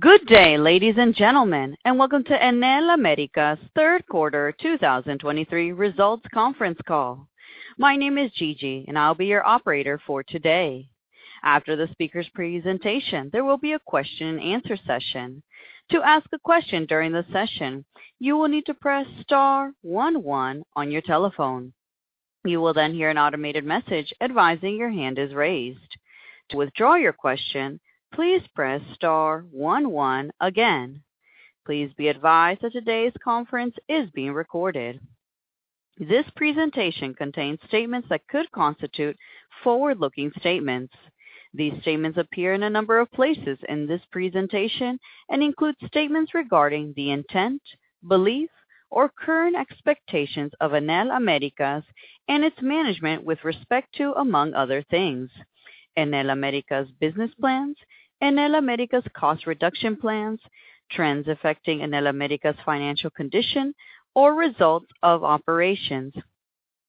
Good day, ladies and gentlemen, and welcome to Enel Américas third quarter 2023 results conference call. My name is Gigi, and I'll be your operator for today. After the speaker's presentation, there will be a question and answer session. To ask a question during the session, you will need to press star one one on your telephone. You will then hear an automated message advising your hand is raised. To withdraw your question, please press star one one again. Please be advised that today's conference is being recorded. This presentation contains statements that could constitute forward-looking statements. These statements appear in a number of places in this presentation, and include statements regarding the intent, belief, or current expectations of Enel Américas and its management with respect to, among other things, Enel Américas business plans, Enel Américas cost reduction plans, trends affecting Enel Américas financial condition or results of operations,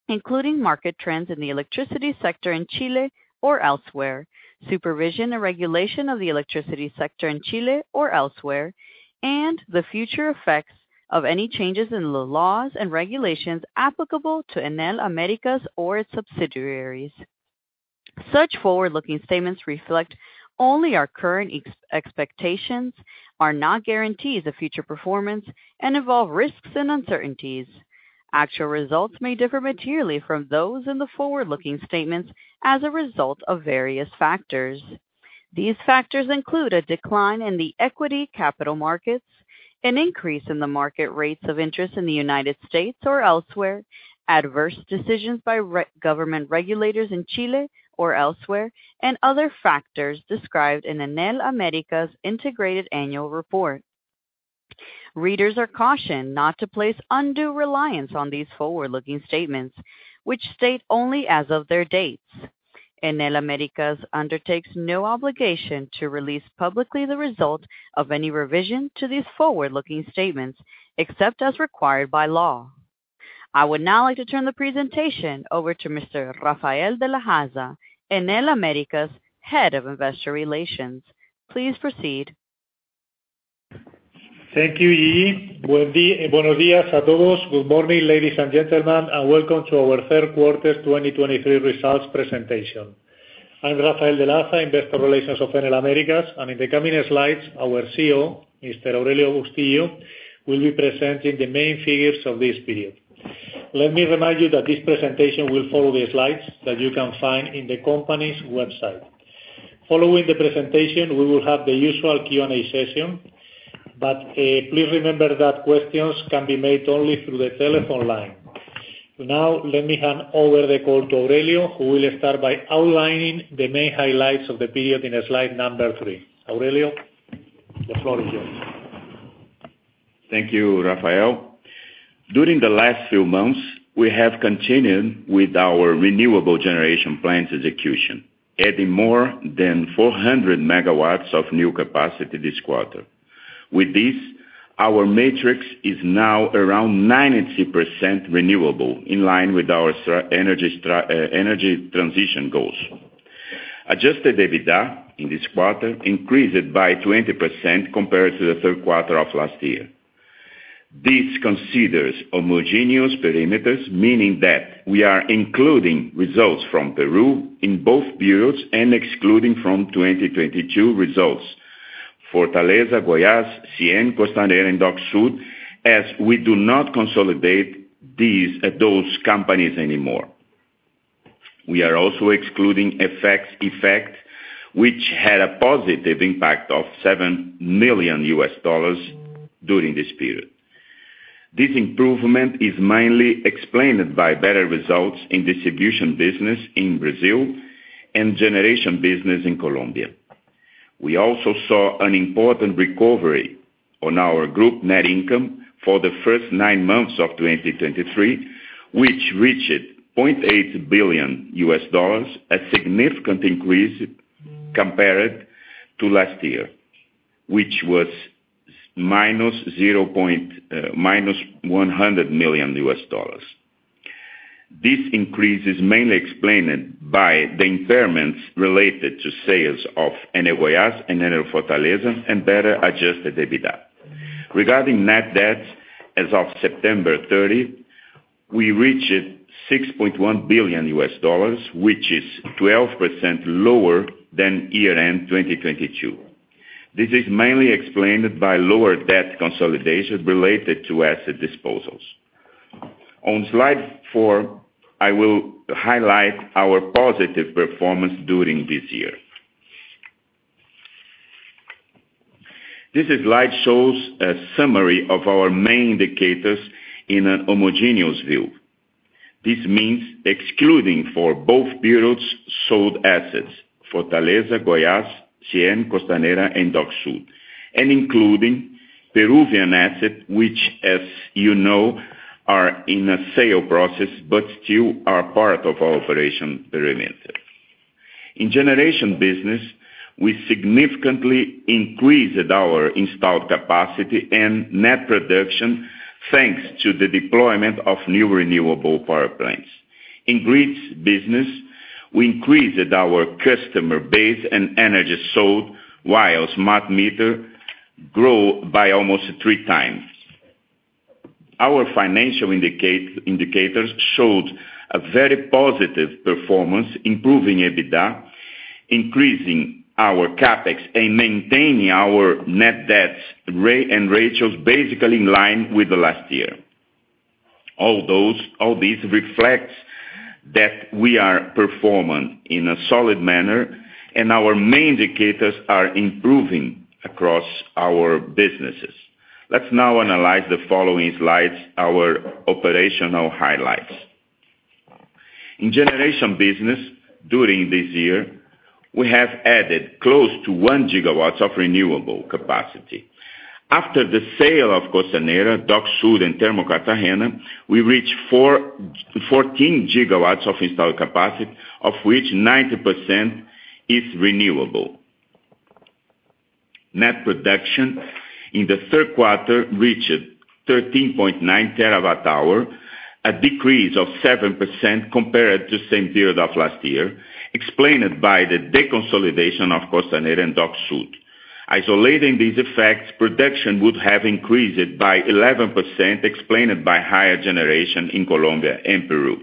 including market trends in the electricity sector in Chile or elsewhere, supervision and regulation of the electricity sector in Chile or elsewhere, and the future effects of any changes in the laws and regulations applicable to Enel Américas or its subsidiaries. Such forward-looking statements reflect only our current expectations, are not guarantees of future performance, and involve risks and uncertainties. Actual results may differ materially from those in the forward-looking statements as a result of various factors. These factors include a decline in the equity capital markets, an increase in the market rates of interest in the United States or elsewhere, adverse decisions by government regulators in Chile or elsewhere, and other factors described in Enel Américas integrated annual report. Readers are cautioned not to place undue reliance on these forward-looking statements, which state only as of their dates. Enel Américas undertakes no obligation to release publicly the result of any revision to these forward-looking statements, except as required by law. I would now like to turn the presentation over to Mr. Rafael de la Haza, Enel Américas Head of Investor Relations. Please proceed. Thank you, Gigi. Buenos días a todos. Good morning, ladies and gentlemen, and welcome to our third quarter 2023 results presentation. I'm Rafael de la Haza, Investor Relations of Enel Américas, and in the coming slides, our CEO, Mr. Aurelio Bustilho, will be presenting the main figures of this period. Let me remind you that this presentation will follow the slides that you can find in the company's website. Following the presentation, we will have the usual Q&A session, but, please remember that questions can be made only through the telephone line. Now, let me hand over the call to Aurelio, who will start by outlining the main highlights of the period in slide number three. Aurelio, the floor is yours. Thank you, Rafael. During the last few months, we have continued with our renewable generation plans execution, adding more than 400 MW of new capacity this quarter. With this, our matrix is now around 90% renewable, in line with our energy transition goals. Adjusted EBITDA in this quarter increased by 20% compared to the third quarter of last year. This considers homogeneous perimeters, meaning that we are including results from Peru in both periods and excluding from 2022 results Fortaleza, Goiás, CIEN, Costanera, and Dock Sud, as we do not consolidate these, those companies anymore. We are also excluding FX effect, which had a positive impact of $7 million during this period. This improvement is mainly explained by better results in distribution business in Brazil and generation business in Colombia. We also saw an important recovery on our group net income for the first nine months of 2023, which reached $0.8 billion, a significant increase compared to last year, which was -$100 million. This increase is mainly explained by the impairments related to sales of Enel Goiás, Enel Fortaleza, and better adjusted EBITDA. Regarding net debt, as of September 30, we reached $6.1 billion, which is 12% lower than year-end 2022. This is mainly explained by lower debt consolidation related to asset disposals. On slide four, I will highlight our positive performance during this year. This slide shows a summary of our main indicators in a homogeneous view. This means excluding for both periods sold assets, Fortaleza, Goiás, CIEN, Costanera, and Dock Sud, and including Peruvian assets, which, as you know, are in a sale process but still are part of our operation perimeter. In generation business, we significantly increased our installed capacity and net production thanks to the deployment of new renewable power plants. In grids business, we increased our customer base and energy sold, while smart meters grew by almost three times. Our financial indicators showed a very positive performance, improving EBITDA, increasing our CapEx, and maintaining our net debt rate and ratios basically in line with the last year. All these reflects that we are performing in a solid manner, and our main indicators are improving across our businesses. Let's now analyze the following slides, our operational highlights. In generation business during this year, we have added close to 1 GW of renewable capacity. After the sale of Costanera, Central Dock Sud, and Termocartagena, we reached 14 GW of installed capacity, of which 90% is renewable. Net production in the third quarter reached 13.9 TWh, a decrease of 7% compared to same period of last year, explained by the deconsolidation of Costanera and Central Dock Sud. Isolating these effects, production would have increased by 11%, explained by higher generation in Colombia and Peru.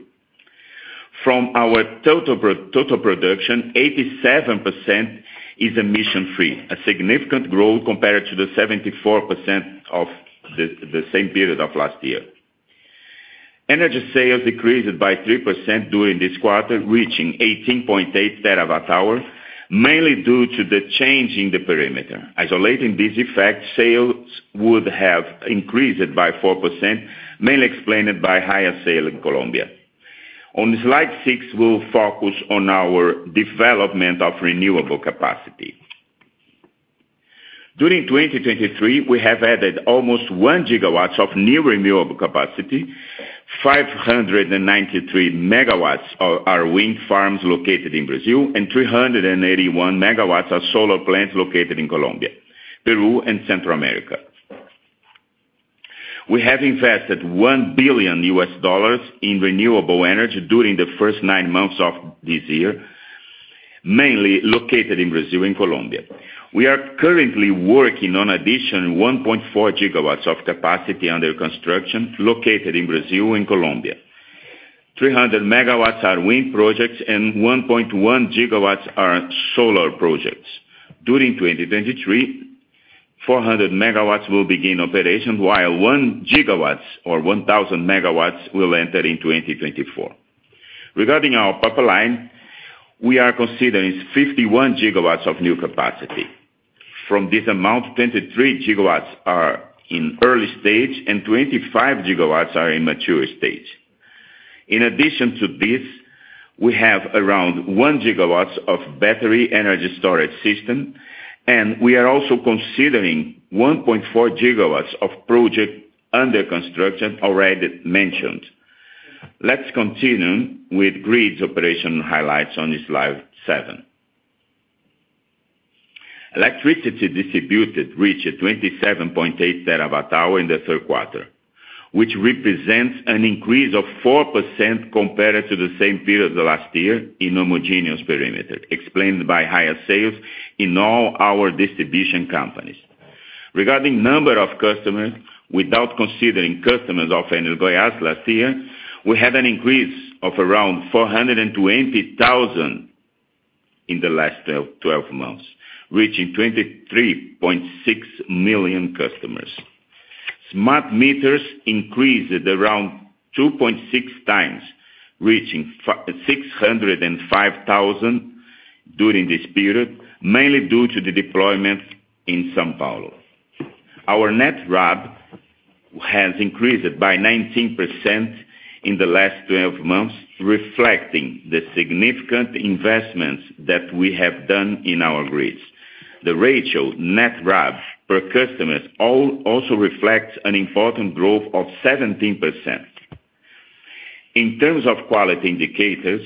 From our total production, 87% is emission-free, a significant growth compared to the 74% of the same period of last year. Energy sales decreased by 3% during this quarter, reaching 18.8 TWh, mainly due to the change in the perimeter. Isolating this effect, sales would have increased by 4%, mainly explained by higher sale in Colombia. On slide six, we'll focus on our development of renewable capacity. During 2023, we have added almost 1 GW of new renewable capacity, 593 MW are our wind farms located in Brazil, and 381 MW are solar plants located in Colombia, Peru, and Central America. We have invested $1 billion in renewable energy during the first nine months of this year, mainly located in Brazil and Colombia. We are currently working on addition 1.4 GW of capacity under construction located in Brazil and Colombia. 300 MW are wind projects, and 1.1 GW are solar projects. During 2023, 400 MW will begin operation, while 1 GW or 1,000 MW will enter in 2024. Regarding our pipeline, we are considering 51 GW of new capacity. From this amount, 23 GW are in early stage and 25 GW are in mature stage. In addition to this, we have around 1 GW of battery energy storage system, and we are also considering 1.4 GW of project under construction already mentioned. Let's continue with grids operation highlights on slide seven. Electricity distributed reached 27.8 TWh in the third quarter, which represents an increase of 4% compared to the same period of last year in homogeneous perimeter, explained by higher sales in all our distribution companies. Regarding number of customers, without considering customers of Enel Goiás last year, we had an increase of around 420,000 in the last 12 months, reaching 23.6 million customers. Smart meters increased around 2.6 times, reaching 605,000 during this period, mainly due to the deployment in São Paulo. Our net RAB has increased by 19% in the last 12 months, reflecting the significant investments that we have done in our grids. The ratio net RAB per customers also reflects an important growth of 17%. In terms of quality indicators,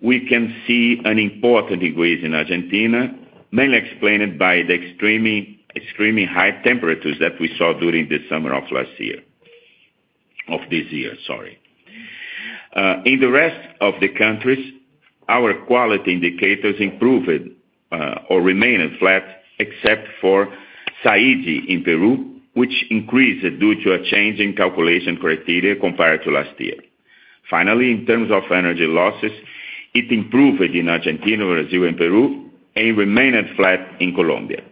we can see an important decrease in Argentina, mainly explained by the extremely high temperatures that we saw during the summer of this year, sorry. In the rest of the countries, our quality indicators improved or remained flat, except for SAIDI in Peru, which increased due to a change in calculation criteria compared to last year. Finally, in terms of energy losses, it improved in Argentina, Brazil, and Peru, and remained flat in Colombia.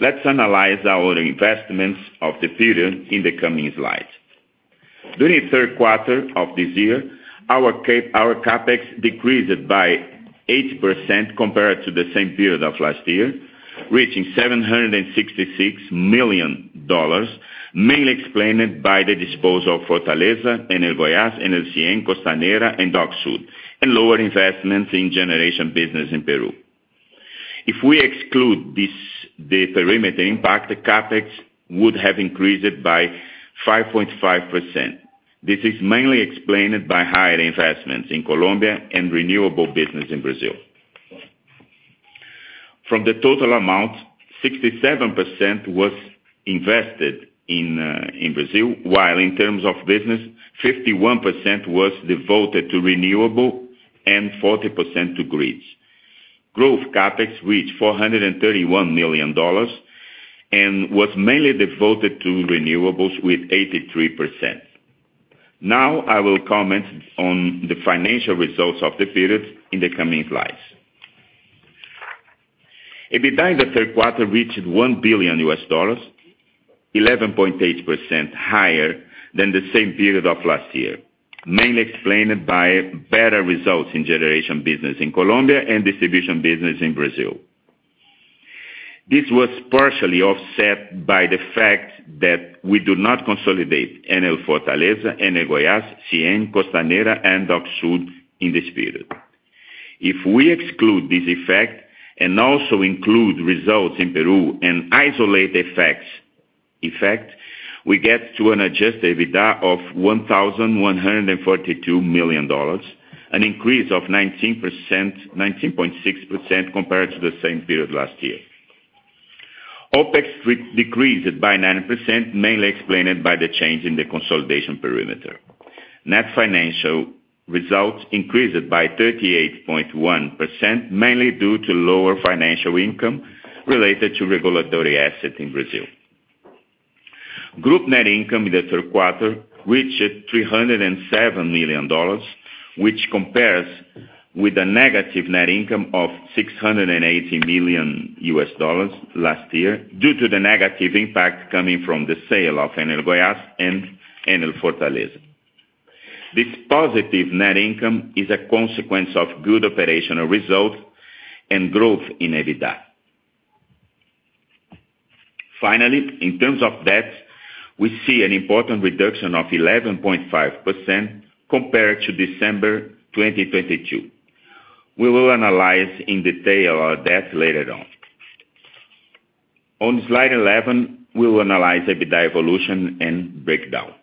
Let's analyze our investments of the period in the coming slides. During the third quarter of this year, our CapEx decreased by 8% compared to the same period of last year, reaching $766 million, mainly explained by the dispos al of Fortaleza, Enel Goiás, CIEN, Costanera, and Dock Sud, and lower investments in generation business in Peru. If we exclude the perimeter impact, the CapEx would have increased by 5.5%. This is mainly explained by higher investments in Colombia and renewable business in Brazil. From the total amount, 67% was invested in Brazil, while in terms of business, 51% was devoted to renewable and 40% to grids. Growth CapEx reached $431 million, and was mainly devoted to renewables with 83%. Now, I will comment on the financial results of the period in the coming slides. EBITDA in the third quarter reached $1 billion, 11.8% higher than the same period of last year, mainly explained by better results in generation business in Colombia and distribution business in Brazil. This was partially offset by the fact that we do not consolidate Enel Fortaleza, Enel Goiás, CIEN, Costanera, and Dock Sud in this period. If we exclude this effect and also include results in Peru and isolate effects, we get to an adjusted EBITDA of $1,142 million, an increase of 19.6% compared to the same period last year. OpEx decreased by 9%, mainly explained by the change in the consolidation perimeter. Net financial results increased by 38.1%, mainly due to lower financial income related to regulatory asset in Brazil. Group net income in the third quarter reached $307 million, which compares with a negative net income of $680 million last year due to the negative impact coming from the sale of Enel Goiás and Enel Fortaleza. This positive net income is a consequence of good operational results and growth in EBITDA. Finally, in terms of debt, we see an important reduction of 11.5% compared to December 2022. We will analyze in detail our debt later on. On slide 11, we will analyze EBITDA evolution and breakdown.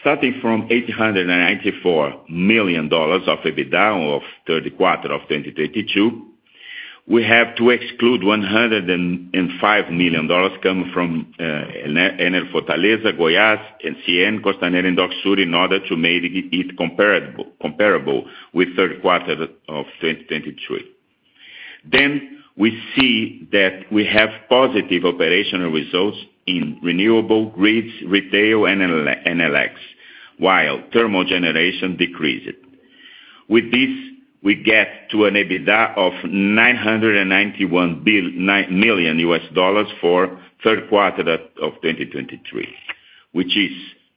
Starting from $894 million of EBITDA of third quarter of 2022, we have to exclude $105 million coming from Enel Fortaleza, Enel Goiás, CIEN and Enel Costanera and Dock Sud in order to make it comparable with third quarter of 2023. We see that we have positive operational results in renewable grids, retail, and Enel X, while thermal generation decreases. With this, we get to an EBITDA of $991 million for third quarter of 2023, which is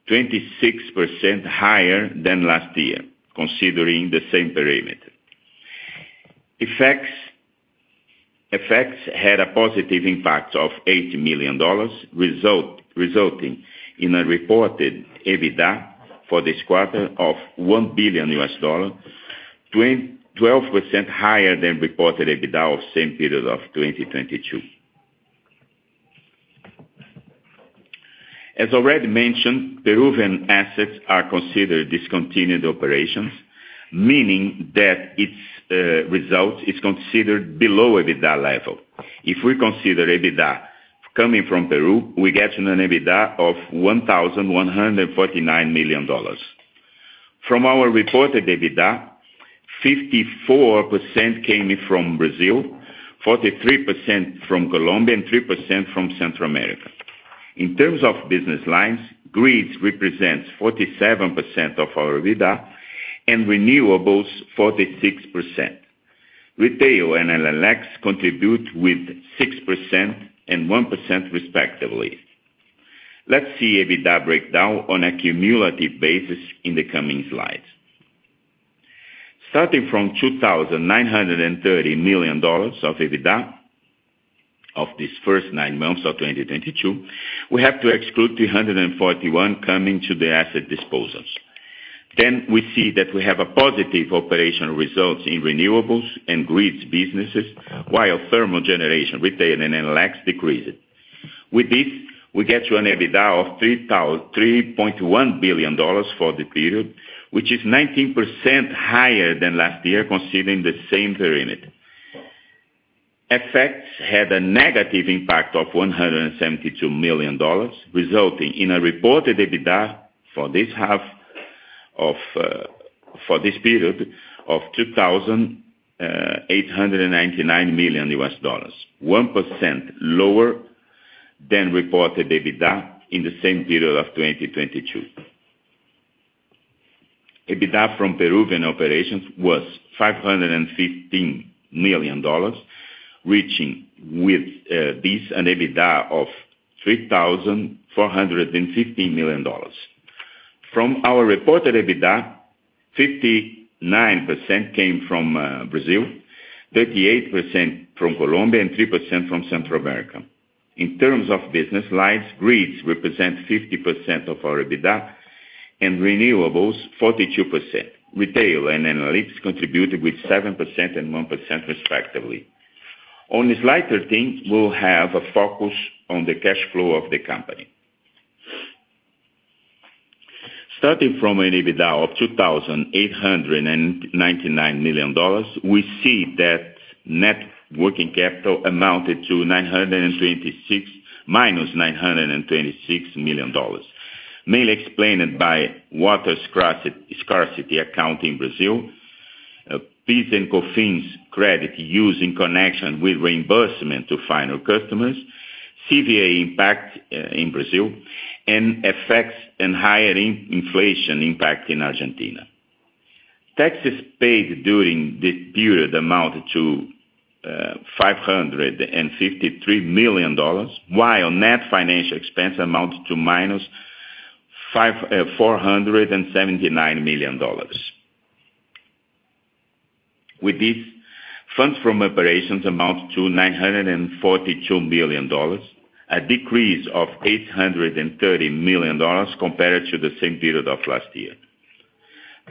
26% higher than last year, considering the same perimeter. Effects had a positive impact of $80 million, resulting in a reported EBITDA for this quarter of $1 billion, 12% higher than reported EBITDA of same period of 2022. As already mentioned, Peruvian assets are considered discontinued operations, meaning that its result is considered below EBITDA level. If we consider EBITDA coming from Peru, we get to an EBITDA of $1,149 million. From our reported EBITDA, 54% came in from Brazil, 43% from Colombia, and 3% from Central America. In terms of business lines, grids represents 47% of our EBITDA and renewables 46%. Retail and Enel X contribute with 6% and 1% respectively. Let's see EBITDA breakdown on a cumulative basis in the coming slides. Starting from $2,930 million of EBITDA of this first nine months of 2022, we have to exclude 341 coming from the asset disposals. We see that we have a positive operational results in renewables and grids businesses, while thermal generation, retail, and Enel X decreases. With this, we get to an EBITDA of $3.1 billion for the period, which is 19% higher than last year, considering the same perimeter. FX effects had a negative impact of $172 million, resulting in a reported EBITDA for this half of for this period of $2,899 million, 1% lower than reported EBITDA in the same period of 2022. EBITDA from Peruvian operations was $515 million, reaching with this an EBITDA of $3,415 million. From our reported EBITDA, 59% came from Brazil, 38% from Colombia, and 3% from Central America. In terms of business lines, grids represent 50% of our EBITDA and renewables 42%. Retail and Enel X contributed with 7% and 1% respectively. On slide 13, we'll have a focus on the cash flow of the company. Starting from an EBITDA of $2,899 million, we see that net working capital amounted to -$926 million, mainly explained by water scarcity account in Brazil, PIS and COFINS credit used in connection with reimbursement to final customers, CVA impact in Brazil, and effects and higher inflation impact in Argentina. Taxes paid during the period amounted to $553 million, while net financial expense amounted to minus $479 million. With this, funds from operations amount to $942 million, a decrease of $830 million compared to the same period of last year.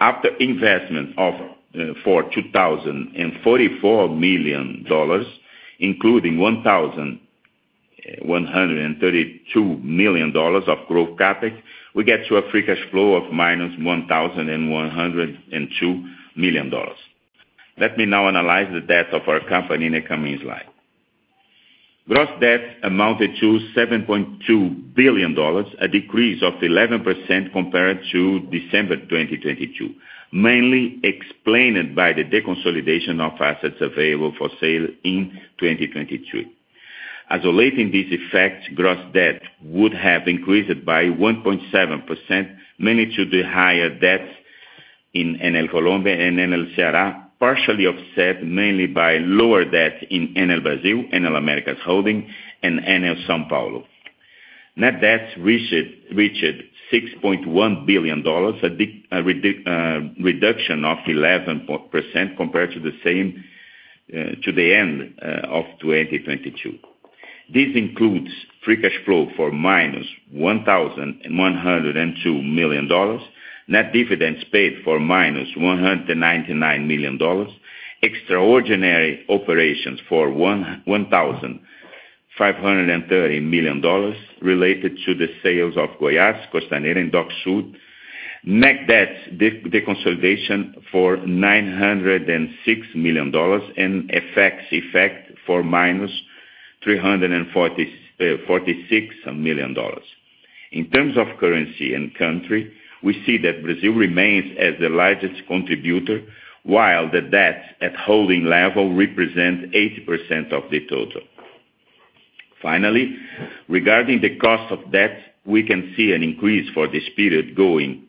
After investment of $2,044 million, including $1,132 million of growth CapEx, we get to a free cash flow of -$1,102 million. Let me now analyze the debt of our company in the coming slide. Gross debt amounted to $7.2 billion, a decrease of 11% compared to December 2022, mainly explained by the deconsolidation of assets available for sale in 2023. Isolating this effect, gross debt would have increased by 1.7%, mainly due to the higher debts in Enel Colombia and Enel Ceará, partially offset mainly by lower debt in Enel Brasil, Enel Américas Holding, and Enel São Paulo. Net debt reached $6.1 billion, a reduction of 11% compared to the end of 2022. This includes free cash flow for -$1,102 million, net dividends paid for -$199 million, extraordinary operations for $1,530 million related to the sales of Goiás, Costanera, and Dock Sud, net debt deconsolidation for $906 million, and effect for -$346 million. In terms of currency and country, we see that Brazil remains as the largest contributor, while the debt at holding level represents 80% of the total. Finally, regarding the cost of debt, we can see an increase for this period going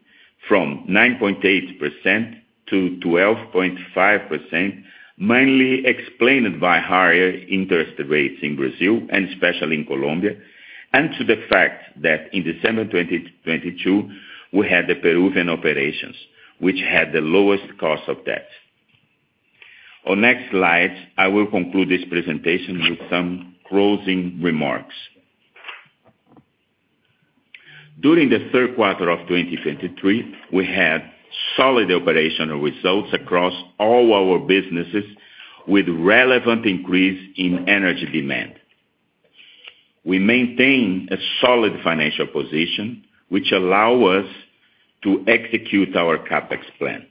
from 9.8% to 12.5%, mainly explained by higher interest rates in Brazil and especially in Colombia, and to the fact that in December 2022, we had the Peruvian operations, which had the lowest cost of debt. On next slide, I will conclude this presentation with some closing remarks. During the third quarter of 2023, we had solid operational results across all our businesses, with relevant increase in energy demand. We maintain a solid financial position, which allow us to execute our CapEx plan.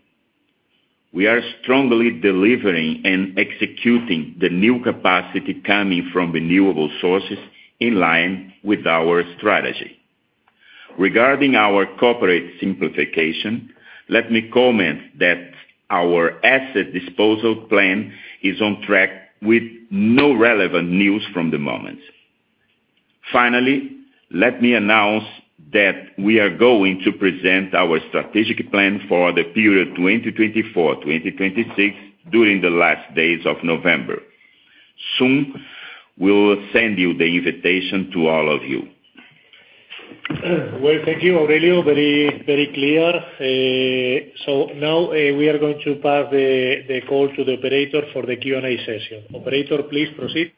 We are strongly delivering and executing the new capacity coming from renewable sources in line with our strategy. Regarding our corporate simplification, let me comment that our asset disposal plan is on track with no relevant news from the moment. Finally, let me announce that we are going to present our strategic plan for the period 2024-2026 during the last days of November. Soon, we will send you the invitation to all of you. Well, thank you, Aurelio. Very, very clear. Now, we are going to pass the call to the operator for the Q&A session. Operator, please proceed.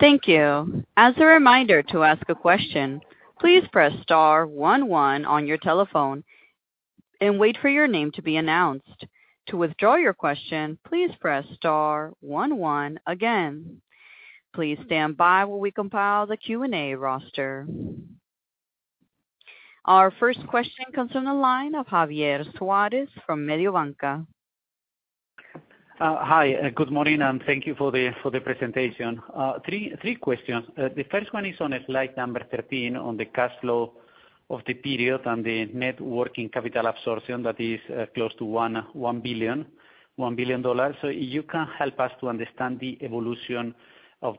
Thank you. As a reminder, to ask a question, please press star one one on your telephone and wait for your name to be announced. To withdraw your question, please press star one one again. Please stand by while we compile the Q&A roster. Our first question comes on the line of Javier Suárez from Mediobanca. Hi, good morning, and thank you for the presentation. Three questions. The first one is on slide number 13 on the cash flow of the period and the net working capital absorption that is close to $1 billion. You can help us to understand the evolution of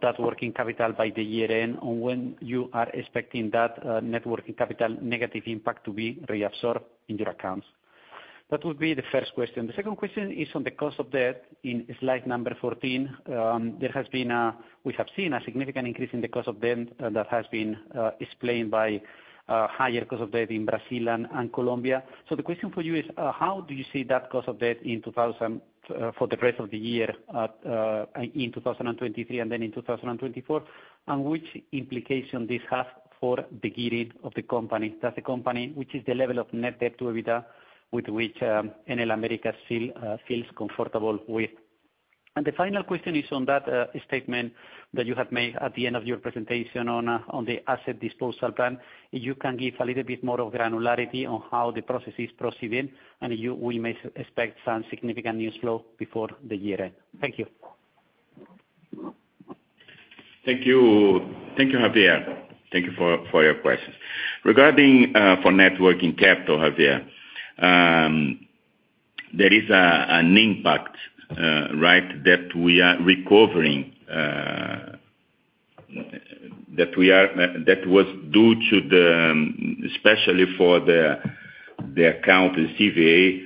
that working capital by the year-end, on when you are expecting that net working capital negative impact to be reabsorbed in your accounts? That would be the first question. The second question is on the cost of debt in slide number 14. We have seen a significant increase in the cost of debt that has been explained by higher cost of debt in Brazil and Colombia. The question for you is, how do you see that cost of debt for the rest of the year in 2023 and then in 2024, and which implication this has for the gearing of the company? Which is the level of net debt to EBITDA with which Enel Américas feels comfortable with? The final question is on that statement that you have made at the end of your presentation on the asset disposal plan. If you can give a little bit more of granularity on how the process is proceeding, and we may expect some significant news flow before the year-end. Thank you. Thank you. Thank you, Javier. Thank you for your questions. Regarding net working capital, Javier, there is an impact, right, that we are recovering, that was due to the, especially for the account CVA,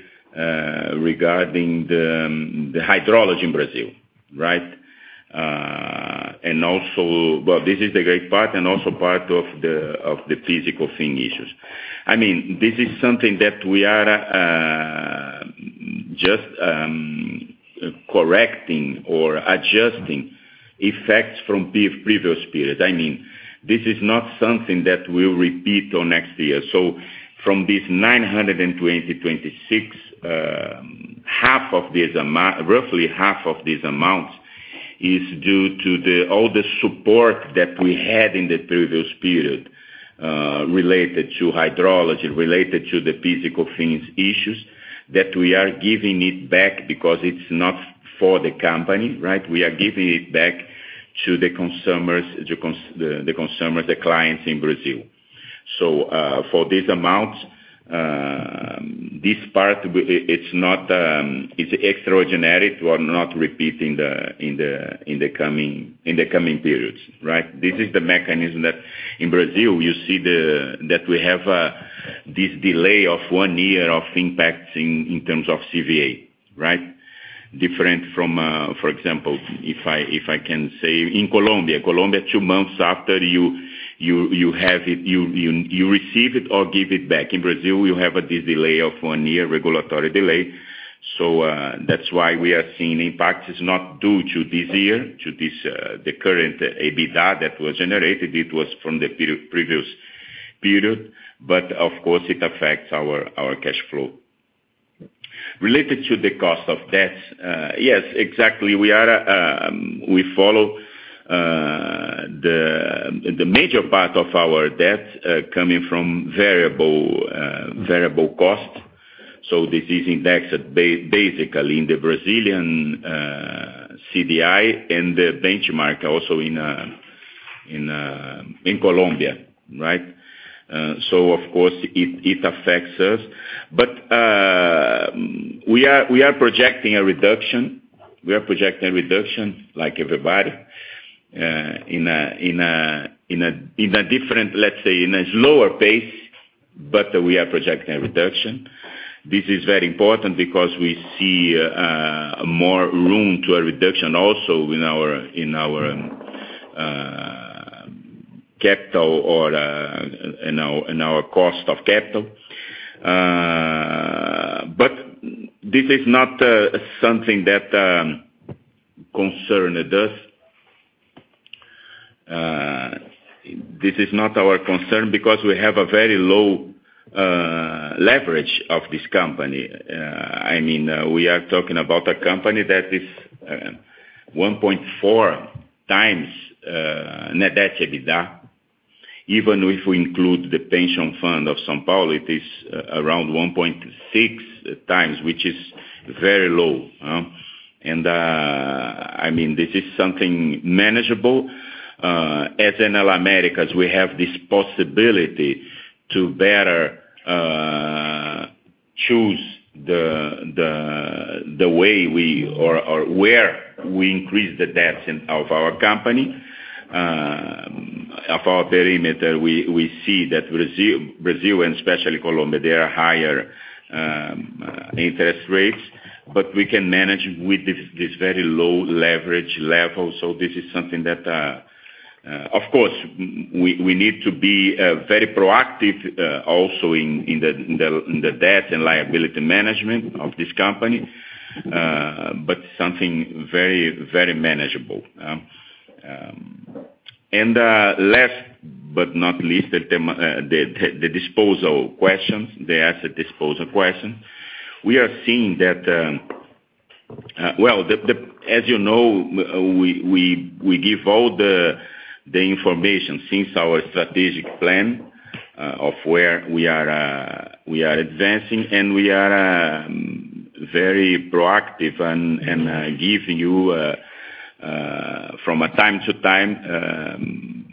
regarding the hydrology in Brazil, right? This is the great part and also part of the physical thing issues. I mean, this is something that we are just correcting or adjusting effects from previous periods. I mean, this is not something that will repeat on next year. From 2026, half of this amount, roughly half of this amount is due to all the support that we had in the previous period, related to hydrology, related to the physical things issues that we are giving it back because it's not for the company, right? We are giving it back to the consumers, the consumers, the clients in Brazil. For this amount, this part it's not, it's extra generic. We're not repeating it in the coming periods, right? This is the mechanism that in Brazil, you see, that we have, this delay of one year of impact in terms of CVA, right? Different from, for example, if I can say in Colombia. Colombia, two months after you have it, you receive it or give it back. In Brazil, you have this delay of one year, regulatory delay. That's why we are seeing impacts. It's not due to this year, to the current EBITDA that was generated. It was from the previous period. Of course it affects our cash flow. Related to the cost of debt, yes, exactly. We follow the major part of our debt coming from variable cost. This is indexed basically in the Brazilian CDI and the benchmark also in Colombia, right? Of course it affects us. We are projecting a reduction. We are projecting a reduction like everybody in a different, let's say in a slower pace, but we are projecting a reduction. This is very important because we see more room to a reduction also in our capital or in our cost of capital. But this is not something that concern us. This is not our concern because we have a very low leverage of this company. I mean, we are talking about a company that is 1.4x net debt to EBITDA. Even if we include the pension fund of São Paulo, it is around 1.6x, which is very low. I mean, this is something manageable. As Enel Américas, we have this possibility to better choose the way or where we increase the debts of our company. Of our perimeter, we see that Brazil and especially Colombia there are higher interest rates, but we can manage with this very low leverage level. This is something that of course we need to be very proactive also in the debt and liability management of this company, but something very manageable. Last but not least, the disposal questions, the asset disposal question. We are seeing that, well, as you know, we give all the information since our strategic plan of where we are advancing, and we are very proactive and give you from time to time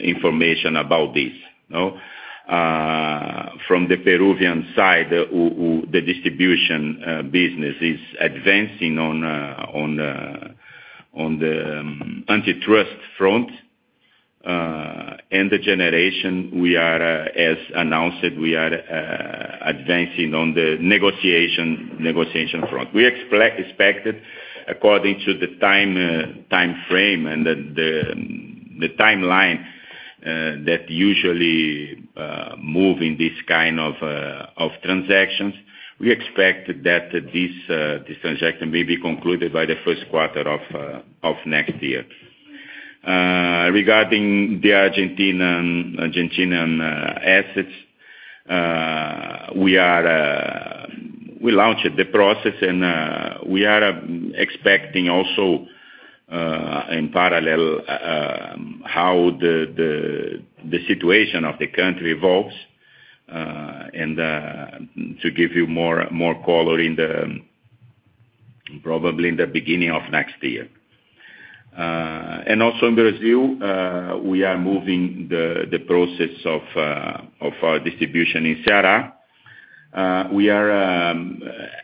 information about this, you know. From the Peruvian side, the distribution business is advancing on the antitrust front. The generation, as announced, we are advancing on the negotiation front. We expect according to the time frame and the timeline that usually move in this kind of transactions. We expect that this transaction may be concluded by the first quarter of next year. Regarding the Argentinian assets, we launched the process and we are expecting also in parallel how the situation of the country evolves and to give you more color probably in the beginning of next year. In Brazil, we are moving the process of our distribution in Ceará. We are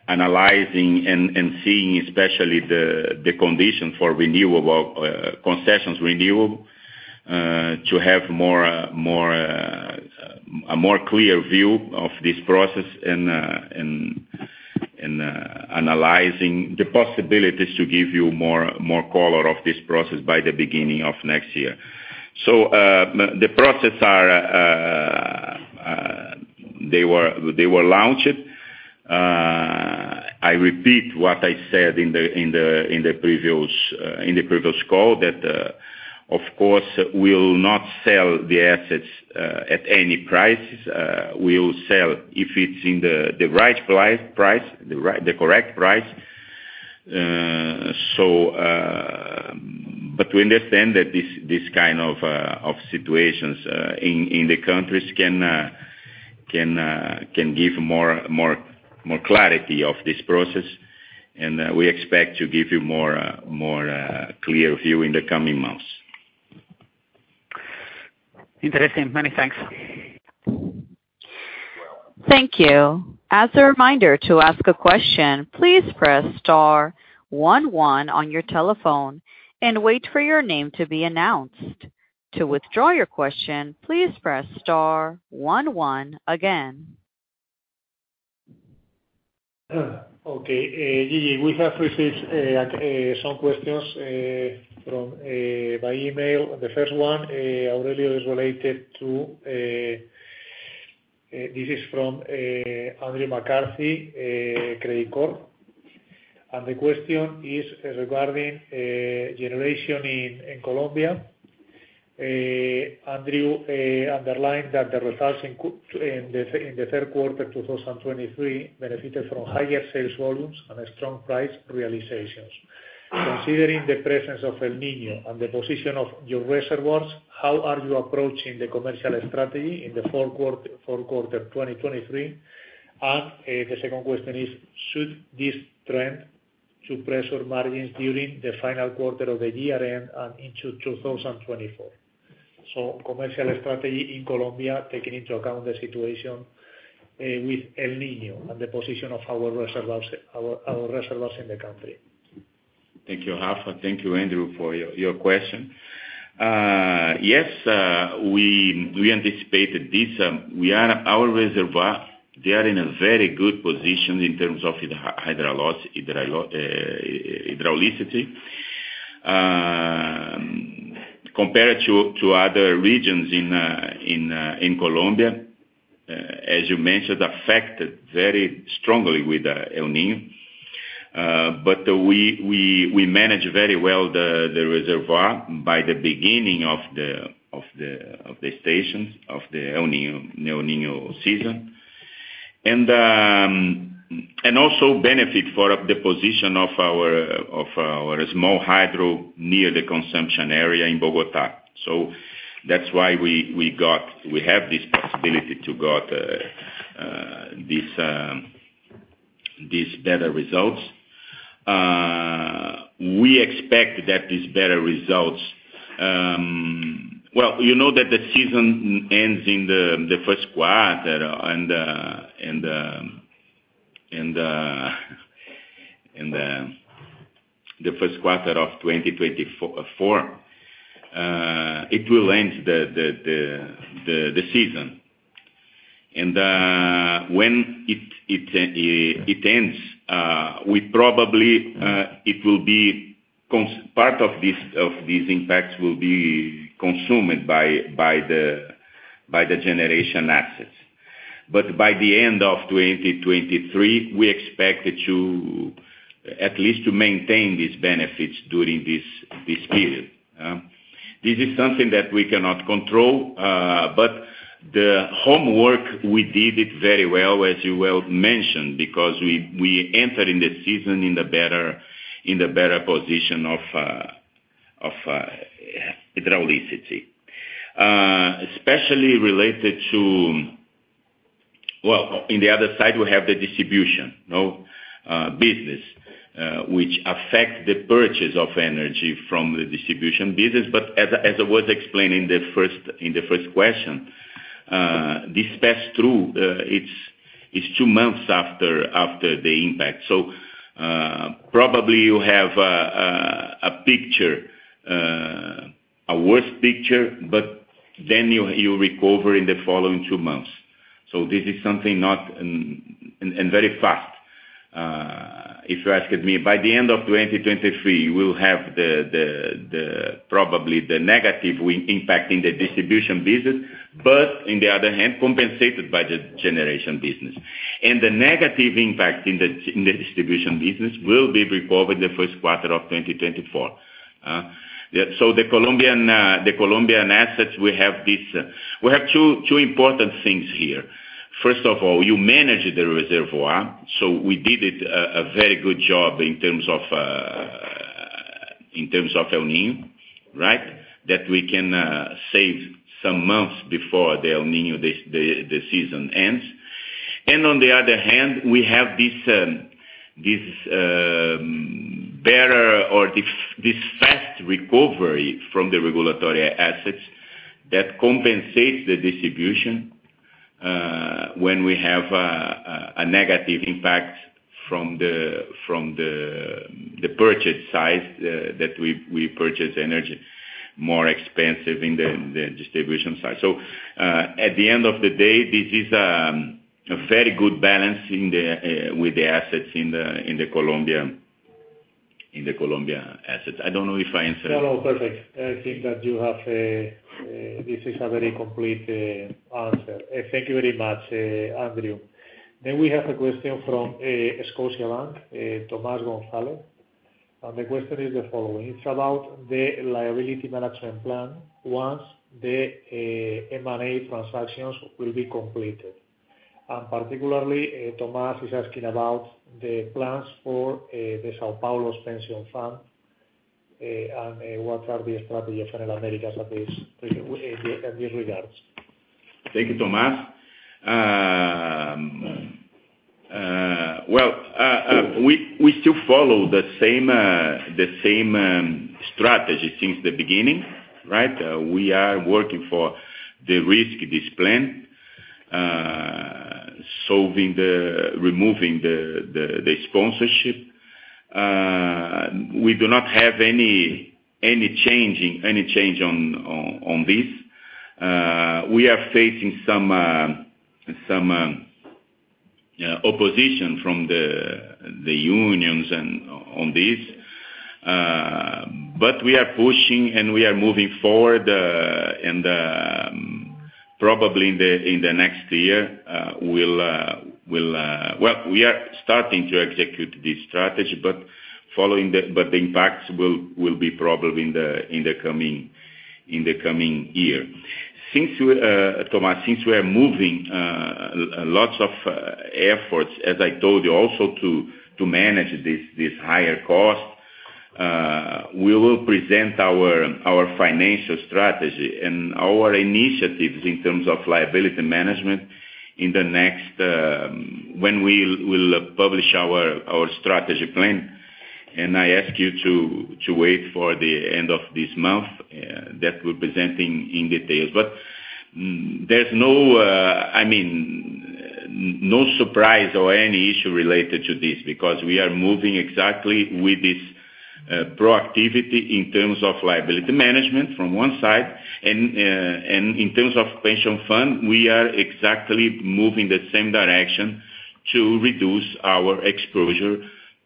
analyzing and seeing especially the condition for renewable concessions to have a more clear view of this process and analyzing the possibilities to give you more color of this process by the beginning of next year. They were launched. I repeat what I said in the previous call that of course we will not sell the assets at any price. We will sell if it's the right price, the correct price. We understand that this kind of situations in the countries can give more clarity of this process. We expect to give you more clear view in the coming months. Interesting. Many thanks. Thank you. As a reminder, to ask a question, please press star one one on your telephone and wait for your name to be announced. To withdraw your question, please press star one one again. Okay. Gigi, we have received some questions by email. The first one, Aurelio, is related to this is from Andrew McCarthy, Credicorp. The question is regarding generation in Colombia. Andrew underlined that the results in the third quarter 2023 benefited from higher sales volumes and a strong price realizations. Considering the presence of El Niño and the position of your reservoirs, how are you approaching the commercial strategy in the fourth quarter 2023? The second question is, should this trend to pressure margins during the final quarter of the year end and into 2024? Commercial strategy in Colombia, taking into account the situation with El Niño and the position of our reservoirs in the country. Thank you, Rafa. Thank you, Andrew, for your question. Yes, we anticipated this. Our reservoir, they are in a very good position in terms of hydrology, compared to other regions in Colombia, as you mentioned, affected very strongly by El Niño. But we manage very well the reservoir by the beginning of the El Niño season. We also benefit from the position of our small hydro near the consumption area in Bogotá. That's why we have this possibility to get this better results. We expect that these better results. Well, you know that the season ends in the first quarter and the first quarter of 2024. It will end the season. When it ends, part of these impacts will be consumed by the generation assets. By the end of 2023, we expect it to at least maintain these benefits during this period. This is something that we cannot control, but the homework we did it very well, as you well mentioned, because we entered in the season in the better position of hydrology, especially related to. Well, on the other side, we have the distribution, you know, business, which affects the purchase of energy from the distribution business. As I was explaining in the first question, this pass through, it's two months after the impact. Probably you have a picture, a worse picture, but then you recover in the following two months. This is something. And very fast, if you asked me. By the end of 2023, we'll have probably the negative impact in the distribution business, but on the other hand, compensated by the generation business. The negative impact in the distribution business will be recovered in the first quarter of 2024. Yeah. The Colombian assets, we have two important things here. First of all, you manage the reservoir. We did a very good job in terms of El Niño, right? That we can save some months before the El Niño season ends. On the other hand, we have this better or this fast recovery from the regulatory assets that compensates the distribution when we have a negative impact from the purchase side that we purchase energy more expensive in the distribution side. At the end of the day, this is a very good balance with the assets in the Colombian assets. I don't know if I answered. No, perfect. I think that you have, this is a very complete, answer. Thank you very much, Andrew McCarthy. We have a question from Scotiabank, Tomás Gonzalez. The question is the following. It's about the liability management plan once the M&A transactions will be completed. Particularly, Thomas is asking about the plans for the São Paulo's pension fund, and what are the strategy of Enel Américas at this, in this regards. Thank you, Tomás. Well, we still follow the same strategy since the beginning, right? We are working for the risk this plan, removing the sponsorship. We do not have any change on this. We are facing some opposition from the unions on this. We are pushing, and we are moving forward, probably in the next year. Well, we are starting to execute this strategy, but the impact will be probably in the coming year. Thomas, since we are moving lots of efforts, as I told you also, to manage this higher cost, we will present our financial strategy and our initiatives in terms of liability management when we'll publish our strategy plan. I ask you to wait for the end of this month that we're presenting in detail. There's no, I mean, no surprise or any issue related to this because we are moving exactly with this proactivity in terms of liability management from one side. In terms of pension fund, we are exactly moving the same direction to reduce our exposure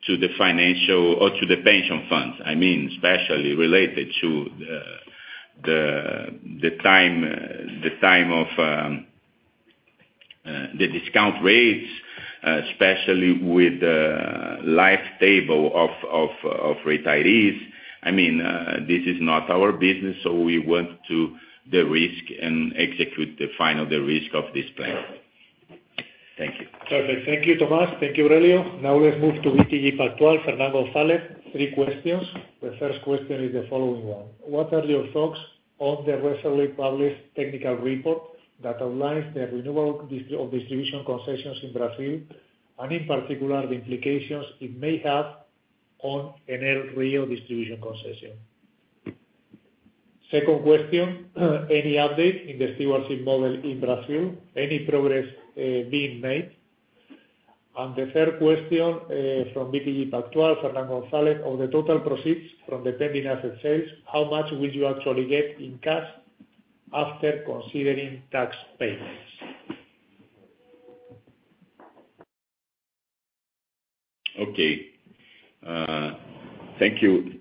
to the financial or to the pension funds. I mean, especially related to the time of the discount rates, especially with the life table of retirees. I mean, this is not our business, so we want to de-risk and execute the final de-risk of this plan. Thank you. Perfect. Thank you, Thomas. Thank you, Aurelio. Now let's move to BTG Pactual, Fernán González. Three questions. The first question is the following one: What are your thoughts on the recently published technical report that outlines the renewable distribution concessions in Brazil, and in particular, the implications it may have on Enel Rio distribution concession? Second question, any update in the stewardship model in Brazil, any progress being made? The third question from BTG Pactual, Fernán González, on the total proceeds from the pending asset sales, how much will you actually get in cash after considering tax payments? Okay. Thank you.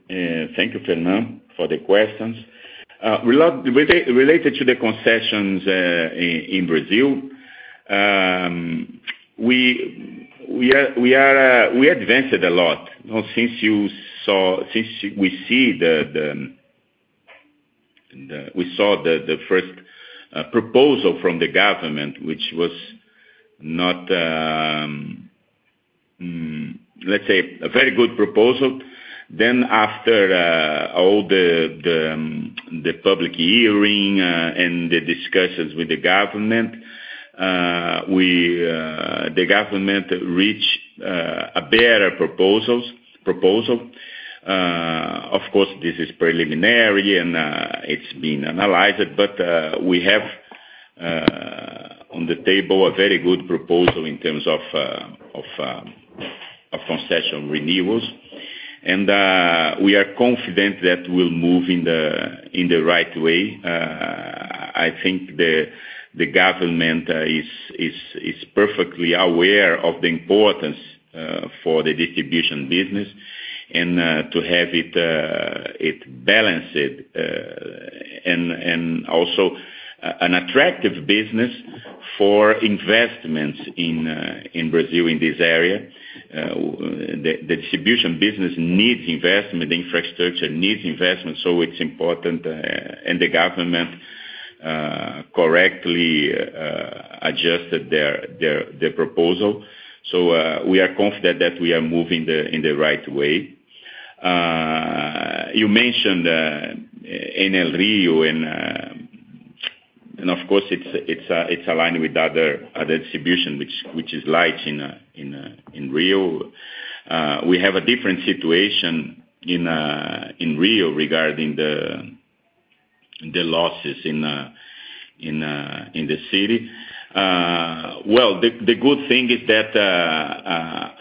Thank you, Fernán, for the questions. Related to the concessions in Brazil, we advanced it a lot. Now, since we saw the first proposal from the government, which was not, let's say, a very good proposal. After all the public hearing and the discussions with the government, the government reached a better proposal. Of course, this is preliminary, and it's being analyzed. We have on the table a very good proposal in terms of concession renewals. We are confident that we'll move in the right way. I think the government is perfectly aware of the importance for the distribution business and to have it balanced and also an attractive business for investments in Brazil in this area. The distribution business needs investment, infrastructure needs investment, so it's important. The government correctly adjusted their proposal. We are confident that we are moving in the right way. You mentioned Enel Rio and of course it's aligned with other distribution which is Light in Rio. We have a different situation in Rio regarding the losses in the city. Well, the good thing is that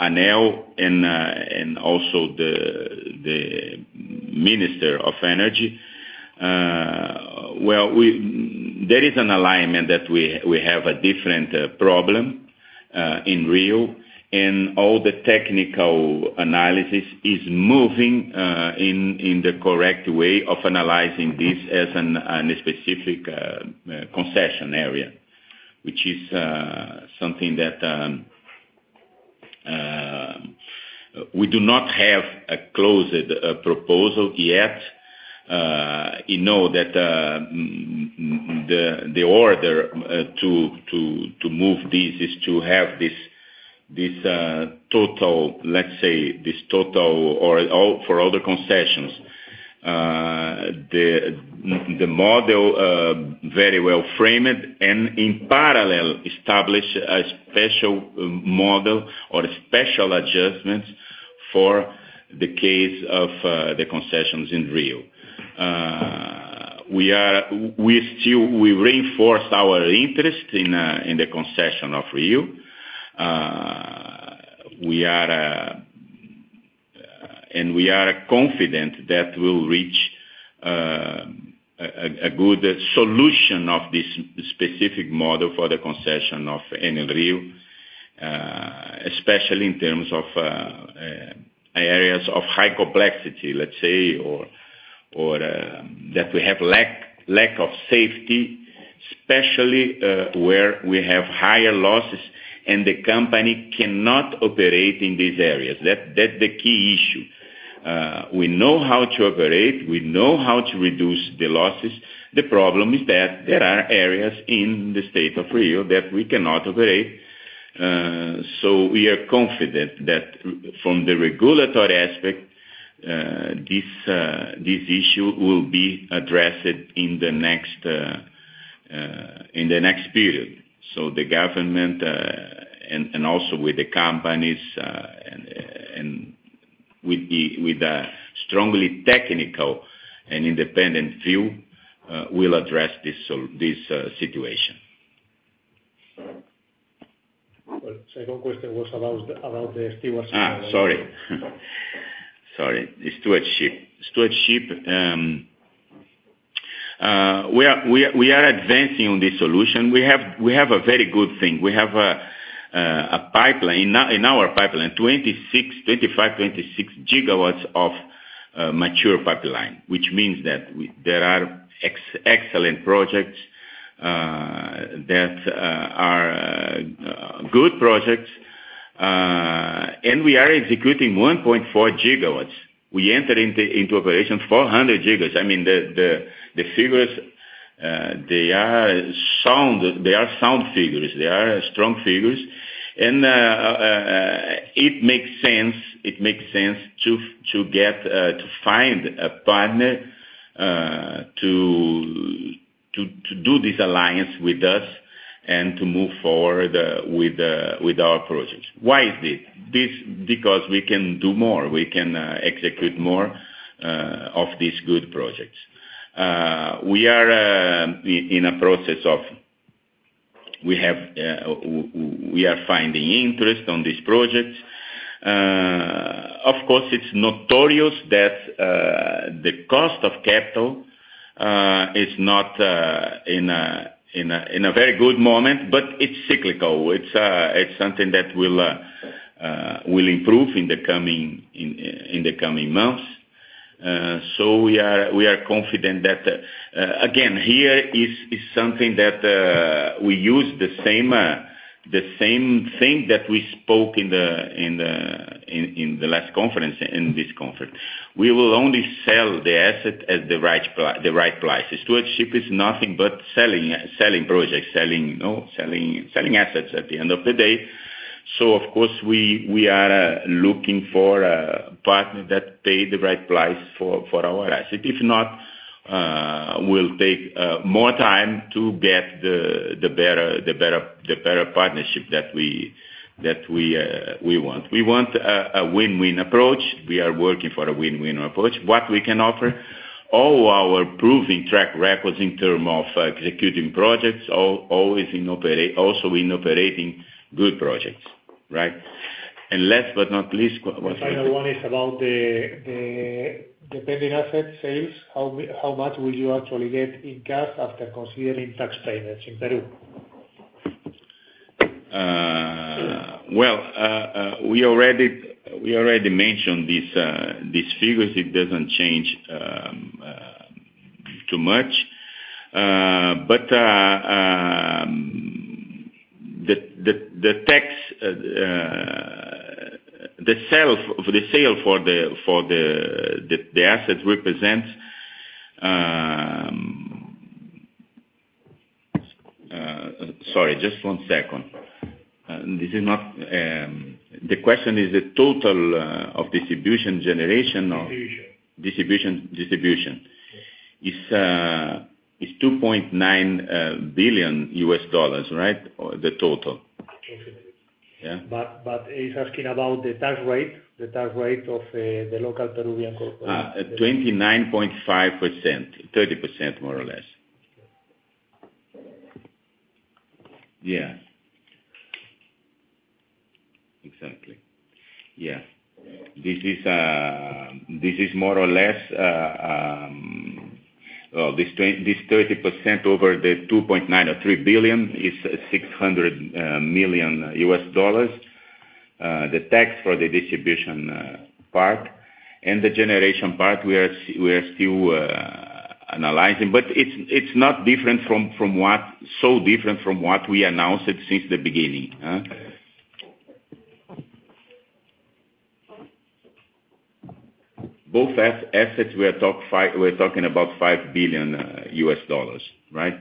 Enel and also the Minister of Energy. There is an alignment that we have a different problem in Rio, and all the technical analysis is moving in the correct way of analyzing this as a specific concession area, which is something that we do not have a closed proposal yet. You know that the order to move this is to have this total, let's say, overall for other concessions, the model very well framed and in parallel establish a special model or special adjustments for the case of the concessions in Rio. We reinforce our interest in the concession of Rio. We are confident that we'll reach a good solution of this specific model for the concession of Enel Rio, especially in terms of areas of high complexity, let's say, or that we have lack of safety especially, where we have higher losses and the company cannot operate in these areas. That's the key issue. We know how to operate, we know how to reduce the losses. The problem is that there are areas in the state of Rio that we cannot operate. We are confident that from the regulatory aspect, this issue will be addressed in the next period. The government and also with the companies and with a strongly technical and independent view will address this situation. Well, second question was about the stewardship. We are advancing on this solution. We have a very good thing. We have a pipeline. In our pipeline, 25 GW-26 GW of mature pipeline, which means that there are excellent projects that are good projects. We are executing 1.4 GW. We enter into operation 400 GW. I mean, the figures, they are sound figures, they are strong figures. It makes sense to find a partner to do this alliance with us and to move forward with our projects. Why is this? Because we can do more. We can execute more of these good projects. We are in a process of finding interest on these projects. Of course, it's notorious that the cost of capital is not in a very good moment, but it's cyclical. It's something that will improve in the coming months. We are confident that again here is something that we use the same thing that we spoke in the last conference, in this conference. We will only sell the asset at the right price. Stewardship is nothing but selling projects, you know, selling assets at the end of the day. Of course we are looking for a partner that pay the right price for our asset. If not, we'll take more time to get the better partnership that we want. We want a win-win approach. We are working for a win-win approach. What we can offer? All our proven track records in terms of executing projects also in operating good projects, right? Last but not least, what's the other? The final one is about the pending asset sales. How much will you actually get in cash after considering tax payments in Peru? We already mentioned these figures. It doesn't change too much. The sale of the assets represents. Sorry, just one second. This is not. The question is the total of distribution generation or. Distribution. Distribution. Is $2.9 billion, right? The total. Yeah. He's asking about the tax rate of the local Peruvian corporation. 29.5%. 30% more or less. Yeah. Exactly. Yeah. This is more or less, well, this 30% over the $2.9 billion or $3 billion is $600 million. The tax for the distribution part and the generation part we are still analyzing, but it's not different from what we announced since the beginning, huh? Both assets, we're talking about $5 billion, right?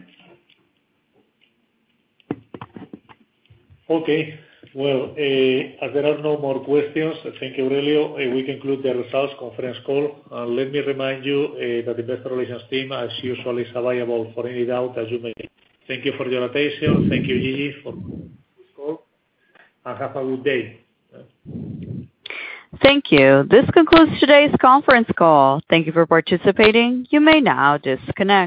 Okay. Well, as there are no more questions, thank you, Aurelio Bustilho. We conclude the results conference call. Let me remind you, that Investor Relations team, as usual, is available for any doubt as you may. Thank you for your attention. Thank you, Gigi, for this call, and have a good day. Thank you. This concludes today's conference call. Thank you for participating. You may now disconnect.